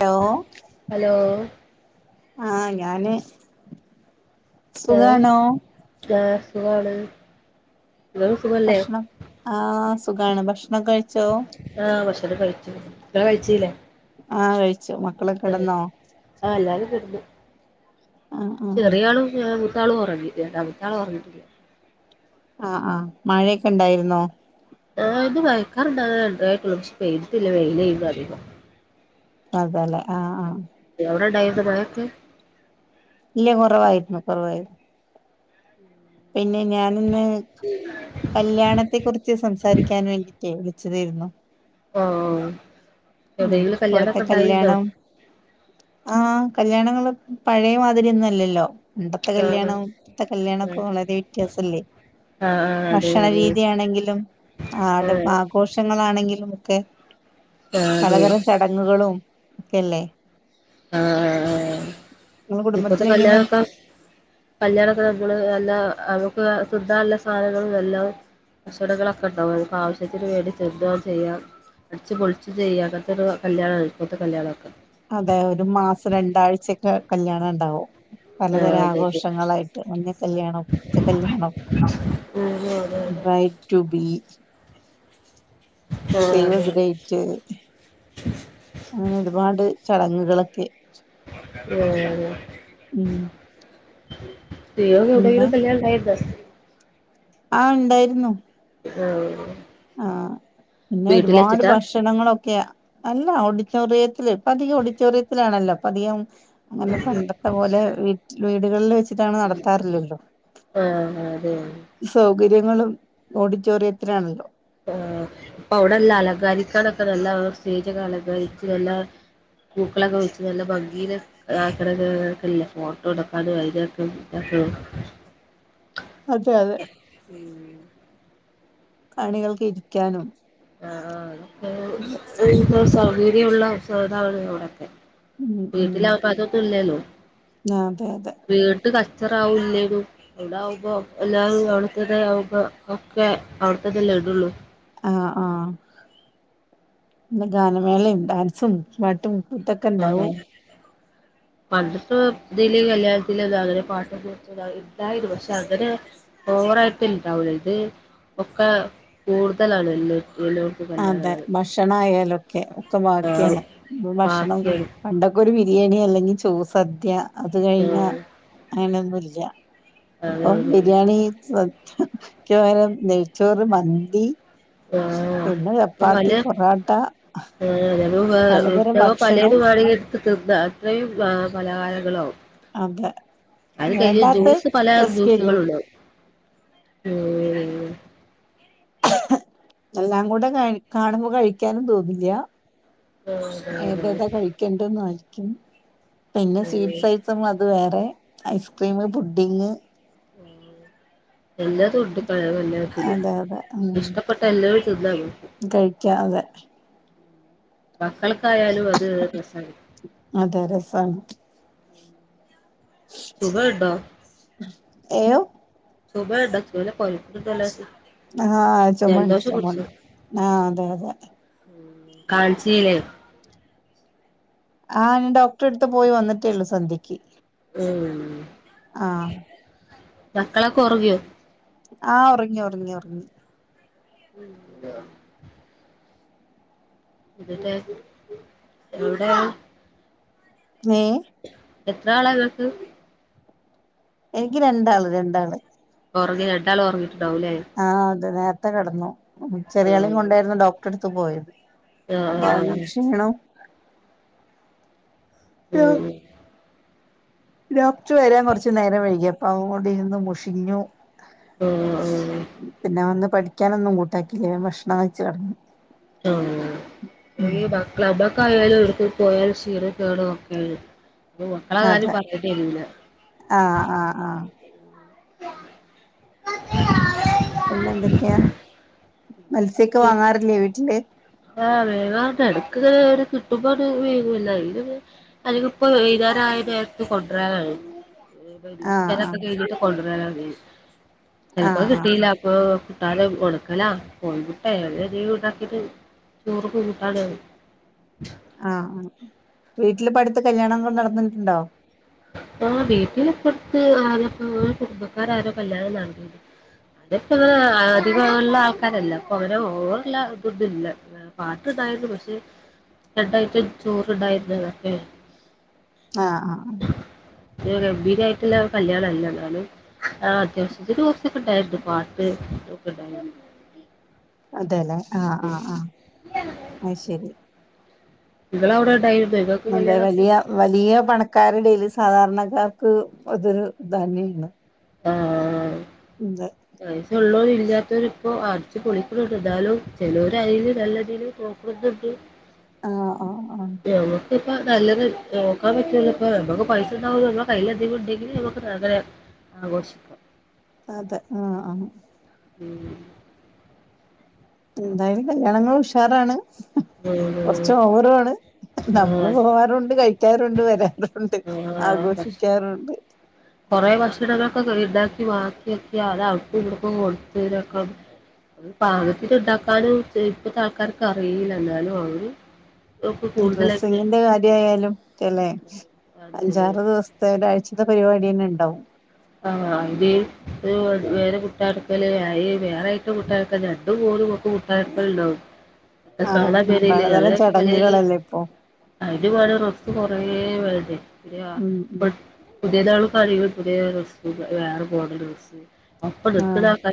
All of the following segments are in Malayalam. ഹലോ ഹലോ ആ ഞാന് സുഖാണോ ഹലോസുഖാണ് ഭക്ഷണം ആഹ് സുഖാണ് ഭക്ഷണക്കെ കഴിച്ചോ ആ ഭക്ഷണക്കെ കഴിച്ചു നിങ്ങള് കഴിച്ചീലെ ആ കഴിച്ചു മക്കളൊക്കെക്കിടന്നോ ആ എല്ലാരും കിടന്നു ആഹ് ആഹ് ചെറിയ ആളും ഞാനും ഒരാള്ഉറങ്ങി രണ്ടാമത്താള് ഉറങ്ങിട്ടില്ല ആഹ് ആഹ് മഴയെക്കെ ഉണ്ടായിരുന്നോ ആ അന്ന് മഴക്കാറുണ്ടാവണ്ടായിട്ടുള്ളു ക്ഷെ പെയ്തില്ലാ വെയിലില്ലധികം അതല്ലെ ആഹ് ആഹ് എവിടെണ്ടായിരുന്നു മഴയത്ത് ഇല്ല കുറവായിരുന്നു കുറവായിരുന്നു പിന്നെ ഞാനൊന്ന് കല്യാണത്തെ കുറിച്ച് സംസാരിക്കാൻ വേണ്ടിട്ടേ വിളിച്ചതായിരുന്നു ഓ ഉം എവിടെങ്കിലും കല്യാണക്കെ ഉണ്ടായിരുന്നോ ആ കല്യാണങ്ങള് പഴയമാതിരി ഒന്നുല്ലല്ലോ മുമ്പത്തെ ആഹ് കല്യാണം പ്പത്തെ കല്യാണക്കെ ആഹ് വളരെ വ്യത്യാസല്ലേ ആഹ് ആഹ് അതെ അതെ ഭക്ഷണരീതിയാണെങ്കിലും ആട് ആഹ് ആഘോഷങ്ങളാണെങ്കിലും ഒക്കെ ആഹ് അതെ പലതരം ചടങ്ങുകളും ഒക്കെല്ലേ ആഹ് നിങ്ങളെ ഹ്ത്ത ഇപ്പത്തെ കുടുംബത്തിലെങ്ങനെ കല്യാണക്കെ കല്യാണത്തിന് നമ്മള് എല്ലാ അവുക്ക് സുദ്ധല്ല സാധനങ്ങളും എല്ലാം കച്ചടകളൊക്കെ ഉണ്ടാവും അതിപ്പ ആവശ്യത്തിന് വേടിച്ചെന്തും ചെയ്യാം അടിച്ച് പൊളിച്ച് ചെയ്യാത്തൊരു കല്യാണ് ഇപ്പത്തെ കല്യാണക്കെ അതെ ഒരു മാസം രണ്ടാഴ്ചക്കെ കല്യാണം ഉണ്ടാവും ആഹ് പലതരം അതെ അതെ ആഘോഷങ്ങളായി മഞ്ഞ കല്യാണം പച്ച കല്യാണം ഉം അതെ അതെ ബൈടുബി ആഹ് അതെ സേവ്ദഡേറ്റ് അങ്ങനെ ഒരുപാട് ചടങ്ങുകളൊക്കെ [inaudible] ഉം [inaudible] പിന്നെ എവിടെങ്കിലും കല്യാണം ഉണ്ടായിരുന്നോ ആ ഉണ്ടായിരുന്നു ആ ആ പിന്നെ ഒരുപാട് ഭഷ ക്ഷണങ്ങളൊക്കെയാ അല്ല ഓഡിറ്റോറിയത്തില് പ്പധികം ഓഡിറ്റോറിയത്തിലാണല്ലോ പ്പധികം അങ്ങനെ പണ്ടത്തെ പോലെ വിറ്റ് വീടുകളിൽ വെച്ചി ട്ടാണ് നടത്താറില്ലല്ലോ ആഹ് അതെ സൗകര്യങ്ങളും ഓഡിറ്റോറിയത്തിനാണല്ലോ ആ പ്പവിടെ എല്ലാം അലങ്കരിക്കാനൊക്കെ നല്ല സ്റ്റേജൊക്കെ അലങ്കരിച്ച് നല്ല പൂക്കളൊക്കെ വെച്ച് നല്ല ഭംഗീല് ആക്കനല്ലേ ആക്കണില്ല ഫോട്ടോ എടുക്കാനും അയിനൊക്കെ [inaudible] അതെ അതെ ഉം [unintelligible] കാണികൾക്ക് ഇരിക്കാനും ആ ആ് അതൊക്കെന്ത സൗകര്യമുള്ളസതക എവിടൊക്കെ ഉം ഉം [unintelligible] പതോ തുുള്ളേുന്നു ആ അതെ അതെ വീട്ട് കച്ചറ ആാവല്ലേനു എവിടെ ആകുമ്പോ എല്ലാവരും അവിടുത്തത ആവുമ്പോ ഒക്കെ അവിടുത്തതെല്ലാം ഇടുള്ളൂ ആഹ ആഹ ഗാനമേളയും ഡാൻസും പാട്ടും ഇതൊക്കെ ആഹ ഉണ്ടാവും മന്ത്ത്രത് ഇല കല്യാണത്തി അങ്ങനെ പാട്ടത്ത ഇണ്ടായിരുന്നു പക്ഷെ അങ്ങനെ ഓവറായിട്ട് ഉണ്ടാവുള്ളൂ ഇത് ഒക്കെ കൂടുതലണല്ലരിക്കലും അതെ ഭക്ഷണ ആയാലൊക്കെ ഒക്കെ ആഹ് ബാക്കിയാണ് ഭക്ഷണം ബാക്കിയാണ് പണ്ടൊക്കെ ഒരു ബിരിയാണി അല്ലെങ്കിൽ ചൂ സദ്യ അത് കഴിഞ്ഞ ആഹ് അങ്ങനെയൊന്നും ഇല്ല ഇപ്പൊ അതാണ് ബിരിയാണി ഒം നെയഴ്ച്ചോറ് മന്തി ആഹ പിന്നെ ചപ്പാത്തി പൊറോട്ട ആ അ ഉവ പലും ഭക്ഷണവും വണ അത്രയും പലഹാരങ്ങളും അതെ അത് കഴിഞ് വേണ്ടാത്ത ജ്യൂസ് പല പ്രശ്നേള്ളൂ ജ്യൂസുകള ഉടും എല്ലാം കൂടെ കാണുമ്പോ കഴിക്കാനും തോന്നില്ല ആഹ് അതാണ് ഏതതാ അതാണ് കഴിക്ക ണ്ട ആയിരിക്കും പിന്നെ ഉം സ്വീറ്റ്യി അത് വേറെ ഐസ്ക്രീം പുഡിങ് എന്താ ണ്ട് ക എല്ലാത്തിും അതെ അതെ ഉം ഇഷ്ടപ്പെട്ട എല്ലാവരും തിന്ന കഴിക്കാ അതെ മക്കൾക്കായാലും അത് രസമാണ അതെ രസമാണ് ശുഭ എണ്ട ഏയോ ശുഭ എണ്ട കോല്ല ആഹ് ചുമണ്ട് ചുമണ്ട് ആഹ അതെ അതെ കാണിച്ചിലെ ആഹ് ഞാൻോക്ടറെ എടുത്ത് പോയി വന്നിട്ടേള്ളു സന്ധ്യയ്ക്ക് ഉ ആഹ മക്കളൊക്കെ ഉറുങ്ങിയോ ആഹ് ഉറങ്ങി ഉറങ്ങി ഉറങ്ങി ഉം [inaudible] [inaudible] ഇട്ട എവിടെ [unintelligible] ഏ എത്ര ആളാ ഇങ്ങക്ക് എനിക്ക് രണ്ടാള് രണ്ടാള് ഉറങ്ങി രണ്ടാളുംഉറങ്ങിട്ടുണ്ടാവൂല്ലേ ആഹ് അതെ നേരത്തെ കിടന്നു ചെറിയളെ ആഹ് കൊണ്ടായിരുന്നു ഡോക്ടറെ ടുത്ത് പോയത് അപ്പൊ അവന ആഹ് ക്ഷീണംോ ഉം ഡോക്ട വരാൻ കുറച്ച് നേരം വൈകി അപ്പ അതുകൊണ്ട് ഇരുന്ന് മുഷിഞ്ഞു ആഹ് പിന്നെ വന്ന് പഠിക്കാനൊന്നും കൂട്ടാക്കില്ലേ വേഗം ഭക്ഷണം കഴിച്ച്. കടന്നു ആ ഞമ്മക്ക ആയാലും എടുക്ക പോയാലും ചീറ കേേട ഒക്കെ അപ്പ മക്കളെ കാര്യം പറഞ്ഞിട്ട് ഇരുല്ല ആഹ ആഹ് ആഹ [unintelligible] [inaudible] പിന്നെ എന്തൊക്ക്യാ പിന്നെ മത്സ്യൊക്കെ എന്തൊക്കെ വാങ്ങാറില്ലേ വീട്ടില് ആഹ് വേങ്ങാർണ്ട് എടക്ക് ഇങ്ങനെ ഒരു കിട്ടുമ്പാണ്ട് വേങ്ങും [unintelligible] അല്ലങ്കിപ്പോ എഴുതാനായ പേരത്തി കൊണ്ടുവരാൻ ആണ് ആഹ് ആഹ് [unintelligible] കൊണ്ടുവരാന ചെൽപ്പത് ആഹ് ആഹ് കിട്ടിയില്ല ആഹ് [unintelligible] ഒണക്കലാ കോഴിമുട്ടേ അതേതേലുണ്ടാക്കീട്ട് [unintelligible] ആഹ് ആഹ്. വീട്ടില് ഇപ്പട്ത്ത് കല്യാണങ്ങളും നടന്നി ണ്ടോ ആഹ് വീട്ടില് ഇപ്പടുത്ത് ആരപ്പോ കുടുംബക്കാരാരോ കല്യാണം നട്നീന്നു ഇപ്പ അധികള്ള ആൾക്കാരല്ല അപ്പൊ അവന ഓള് ള്ള ത് ത്ല്ലാ പാട്ടുണ്ടായിരുന്നു പക്ഷേ രണ്ടായിട്ടം ചോറുണ്ടായിരുന്നു അതൊക്കെ ആഹ് ആഹ് എഹ് ഗംഭീരായിട്ടുള്ള കല്യാണല്ല ന്നാലും ആഹ് അത്യാവശ്യത്തിന് കൊറച്ചൊക്കെ ഉണ്ടായിരുന്നു പാട്ട് ഒക്കെണ്ടായിരുന്നു അതെല്ലേ ആഹ് ആഹ് ആഹ് അയ് ശെരി ഇങ്ങളവടെണ്ടായീണോ ഇ അതെ വലിയ വലിയ പണക്കാരെടേൽ സാധാരണക്കാർക്ക് അതൊരു [unintelligible] ആഹ് തെ വയസുള്ളോരും ഇല്ലാത്തോരി ഇപ്പോ അടിച്ച്പൊളിക്കുന്നുണ്ട് എന്താലും ചിലര് അതിൽ നല്ലതീല് [unintelligible] ആഹ് ആഹ് ആഹ് ഞാനോ പ്പ നല്ലൊരു ഏഹ് നോക്കാൻ പറ്റ ഇപ്പ നമ്മുക്ക് പൈസ ഉണ്ടാവോ നമ്മുടെ കയ്ൽ അധികം ഉണ്ടെങ്കില് നമുക്ക് അങ്ങനെ ആഘോഷ അതെ ആഹ് ആഹ് ഉം എന്തായാലും കല്യാണങ്ങൾ ഉഷാറാണ് [unintelligible] ചോവറു ആണ് നമ്മള് ആ പോവാറുണ്ട് കഴിക്കാറുണ്ട് വരാറുണ്ട് ആഘോഷിക്കാറുണ്ട് കുറെേ ഭക്ഷണങ്ങളൊക്കെ ണ്ടാക്കി വാക്കിയാക്കി അത് അവ്ടുക്കും ഇവടക്കും കൊടുത്തതിനൊക്കെ അത് പാകത്തിന്ണ്ടാക്കാനും ഇപ്പത്തെ ആൾക്കാർക്ക് അറിയില്ല എന്നാലും അവര് ഒക്കെ ഉം കൂടുതലായിട്ട് ഡ്രെസ്സിങ്ങിന്റെ കാര്യയാലും ക്കെല്ലെ അഞ്ചാറ് ദിവസ പ്പൊ ഒരാഴ്ചത്തെ പരിവാട്യെന്നെണ്ടാവും ആഹ് [unintelligible] കൂട്ടായക്കല്ണ്ടാവും അത് ആഹ് കാണാൻ പേരല്ല പലതരം ഞങ്ങളെയൊക്കെ പലേ ചടങ്ങുകളല്ലേ ഇപ്പൊ അയ്ന് വാണേ റെസ്സ് കൊറേ ഉം ഉം [unintelligible] [unintelligible] ക്കെ വാറെ മാണം റെസ്സ് ആഹ്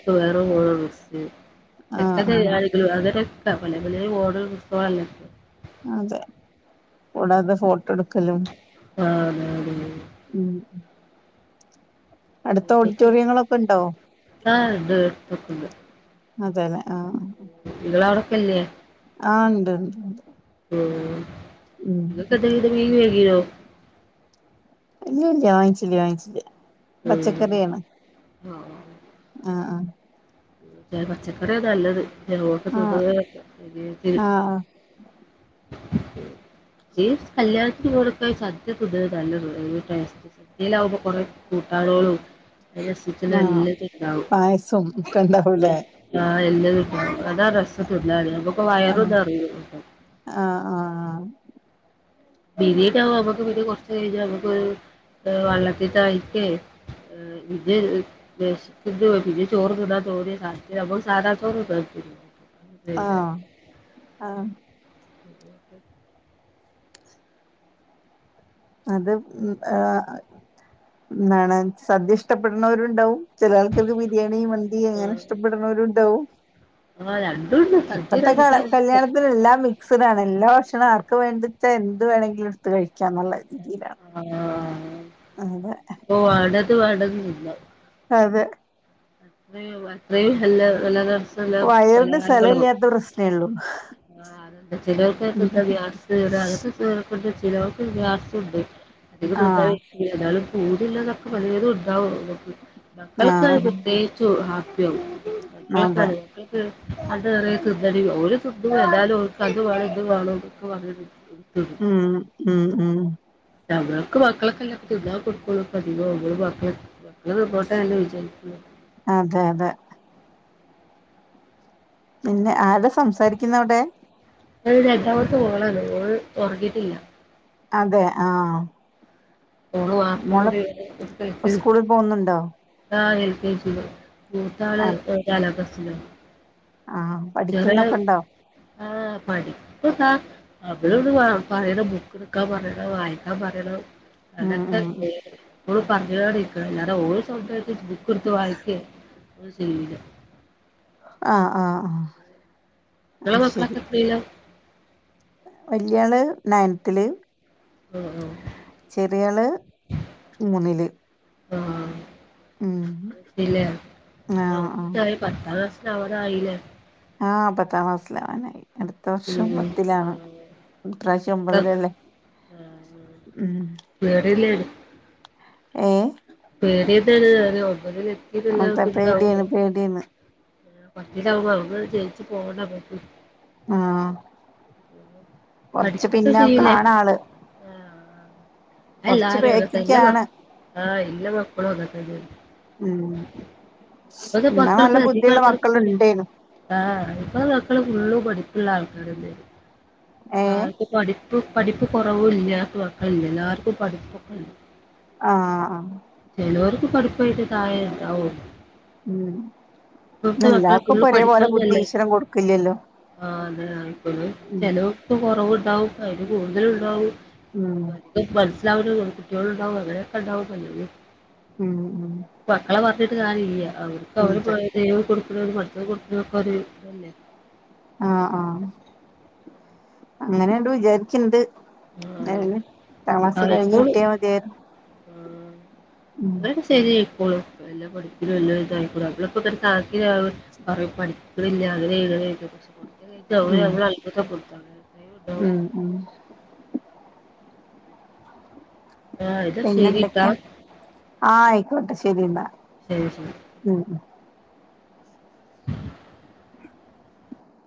[unintelligible] ആഹ് ആഹ് ഇല്ല അതെരെ [unintelligible] അതെ കൂടാതെ ഫോട്ടോട്ക്കലും ആതെ ടീ ഉം ഉം അട്ത്ത് ഓഡിറ്റോറിയങ്ങളൊക്കെ ണ്ടോ? അത് പറ്റില്ല അതെല്ലെ ആഹ് നിങ്ങളാടെക്കെല്ലേ ആഹ് ഇണ്ട് ഉം ഇന്ന്പ്പൊ [unintelligible] ങ്ങിന് വെരോ? ഇല്ലില്ല വാങ്ങ്ച്ചില്ല വാങ്ങ്ച്ചില്ല ഉം പച്ചക്കറിയാണ്. ആഹ് ആഹ് പച്ചക്കറിയ നല്ലത് ആഹ് ആഹ് [unintelligible] ഈസ്‌ കല്ല്യാൺ ഇവിടുത്തെ സദ്യ പൊതുവെ നല്ലതാ വയങ്കര ടേസ്റ്റ സദ്യെലാവുമ്പ കൊറെ കൂട്ടാനോളു കല്ല്യാൺ സിൽസിന്റെ നല്ലത്ണ്ടാവും. പായസോം ക്കെണ്ടാവൂലേ? ആഹ് എല്ലെതുണ്ടാവും അതാരെസം പെരുന്നാളിന് നമുക്കു വയറു ആഹ് നെറയും. ആഹ് ആഹ് ബിരീണി ആവ്മ്പം അമ്മക്ക് പിന്നെ കൊറച്ചഴിഞ്ഞാ അമ്മക്കൊരു വള്ളത്തിൻ ദാഹിക്കേ ആഹ് ഇത് വെശ്ക്കുന്നു പിന്നേം ചോറ് തിന്നാൻ തോന്നിയ [unintelligible] അമ്മള് സാധാ ചോറ് തിന്നാൻ തോന്നും. ആഹ് ആഹ് അത് ഉം ആഹ് ന്താണ് സദ്യ ഇഷ്ടപ്പെടുന്നവരുണ്ടാവും ചെല ആൾക്കാർക്ക് ബിരിയാണി മന്തി അങ്ങനെ ആഹ് ഇഷ്ടപ്പെടുന്നവരുണ്ടാവും. ആഹ് രണ്ടുണ്ട് സദ്യ ഇപ്പത്തെ കാല കഴിക്കാൻ ഇഷ്ടം കല്യാണത്തിനെല്ലാം ബി സ്ഡാണ് എല്ലാക്ഷണ ആർക്ക് വേണ്ടിച്ചെ എന്ത് വേണങ്കിലും എടുത്ത് കഴിക്കാന്നുള്ള രീതിലാണ്. ആഹ് അതെ. ഓ വാണ്ടത് വാണ്ടത് തിന്നാം. അതെ. ത്രേയും അത്രയും എല്ല നല്ലതാ വയറിന് സ്ഥലല്ല്യാത്ത പ്രശ്നേള്ളു. ആഹ് അതന്നെ ചിലർക്കക്കെ ഗ്യാസ് കേറാ [unintelligible] ഇപ്പഴ്ത്തെ ചിലോർക്ക് ഗ്യാസുണ്ട് അധികം തിന്നാലേ. ആഹ് എങ്കിലു എന്നാലും പൂതിള്ളതൊക്കെ പലേതുണ്ടാവും മ്മക്ക് മക്കളക്കെ ആഹ് തെയ്ച്ചു ഹാപ്പിയാവും അതെ മക്കളക്കെണങ്കി മക്കളക്കെ ക്ക് അത് വേണേ തിന്നടി ഓല് തിന്നു എന്നാലു ഓൽക്ക് അതുവാണം ഇത് വാണന്നൊക്കെ പറഞ്ഞിട്ട് ഉം ഉം ഉം നമ്മളൊക്ക് മക്കളക്കല്ലേ തിന്നാൻ കൊടുക്കുള്ളൂ അധികോം മ്മള് മക്കള മക്കള് തിന്നോട്ടെല്ലേ വിചാരിക്കുവ. അതെ അതെ. പിന്നെ ആരാ സംസാരിക്കുന്നവിടെ? അത് രണ്ടാമത്തെ മോളാണ് ഓൾ ഒറങ്ങിട്ടില്ല. അതെ ആഹ്. [unintelligible] മോള് സ്കൂളിൽ പോകുന്നുണ്ടോ ആഹ് എൽ കെ ജി ല് മൂത്ത ആള് അതെ നാലാം ക്ലാസില. ആഹ് ചെറിയ പഠിക്കുന്നൊക്കെ ഉണ്ടോ ആഹ് പഠിപ്പ് സാ അവളോട് ആഹ് പറയണം ബുക്കെടുക്കാൻ പറയണ വായിക്കാൻ പറയണം. ഉം അതക്കെ ഉം [unintelligible] അല്ലാതെ ഓള് സ്വന്തം ബുക്കെടുത്ത് വായിക്കെ അങ്ങനൊന്നും ചെയ്യൂല. ആഹ് ആഹ് ങ്ങളെ അത് മക്കളക്കെ എത്രേയ്ലാ? വല്ല്യാള് ണയൻത്തില്. ആഹ് ആഹ് ചെറിയാള് മൂന്നില്. ആഹ് ഉം അത്രെത്തിലേ ആഹ് ഒമ്പതായ പത്താം ക്ലാസ്സി നാവാറായിലെ? ആഹ് പത്താം ക്ലാസ്സിലാവാനായി. അടുത്ത വർഷം ഉം പത്തിലാണ് ഇപ്രാവശ്യം ആഹ് ഒമ്പതിലല്ലേ [unintelligible] വേറില്ലേനു ഏ വേറതാണ് ഒമ്പതിൽ അതാ എത്തില്ലക്ക ഇതാവും പേടിയാണ് വേണം പേടിയാണ് പതിലാവുംമ്പ അവടുന്ന് ജയിച്ചു പോവണ്ട അവ്ക് ആഹ പഠിച്ചിട്ട് സീനെ പിന്നോക്കാണ് ആള് കൊറച്ച് എല്ലാരും അങ്ങനെ തന്നെ എല്ല ബേക്കിക്കാണ് മക്ക ആഹ് എല്ല മക്കളും അങ്ങനെ തന്നെണ് ഉം എന്നാ നല്ല മക്കൾക്ക് അധികം ബുദ്ധിയുള്ള ആൾക്കാർക്ക് മക്കൾ പേടി ഉണ്ടേനു ആഹ് ഇപ്പൊ മക്കള് ഫുള്ള് പഠപ്പുള്ള ആൾക്കാരെന്നെ ആ ഏഹ് പഠിപ്പ് പഠിപ്പ് കുറവ് ഇല്ലാ മക്കളില്ല ആക എല്ലാർക്കും പഠിപ്പൊക്കെണ്ട് ആ ആ ചിലോർക്ക് പഠിപ്പായിട്ട് കാര്യം ഉണ്ടാവും ഉം മക്കള് എല്ലാവർക്കും ഇപ്പ ഫുള്ള് ഒരേപോലെ പഠിക്കണതല്ലേ ബുദ്ധിഈശ്വരം കൊടുക്കില്ലല്ലോ ആ അതെ അങ്ങനെ തന്നെ ഉം ചെലോർക്കു കൊറവുണ്ടാവും അതിന് കൂടുതല ഉണ്ടാവും ഉം ഓ പഠിപ്പ്‌ മനസ്സിലാവുന്ന കുട്ടികള ഉണ്ടാവും അങ്ങനെയൊക്കെ ഉണ്ടാവുംല്ലത് [inaudible] മക്കളെ പറഞ്ഞിട്ട് കാര്യില്ല അവർക്ക് ഉണ്ട് അവര് ദൈവം കൊടുക്കണ പഠിത്തം കൊടുക്കണേ ഒക്കെ ഒരു ഇതല്ലേ ആഹ ആഹ അങ്ങനെയണ്ട് വിചാരിച്ണ്ട് ആഹ് അതിന് പത്താം ക്ലാസ് കഴിഞ്ഞ് കിട്ടിയാൽ മതിയാർന്നു [unintelligible] ശരിയയിക്കോളും എല്ലാം പഠിക്കും എല്ലാം ഇതായിക്കോടും അത് അപ്പൊ തന്നെ സാര്ഠി ഇല്ലാതെ ഇ കൊറച്ച് പൈസ അവള് ഉം അവിടെ കൊടുക്കാന് ഉം ഉം ആഹ് എന്നാ ശരിട്ടാ പിന്നെന്തൊക്കെയാ ആഹ ആയിക്കോട്ടെ ശരി എന്നാ ശരി ശരി ഉം